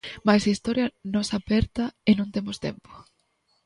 Mais a historia nos aperta e non temos tempo.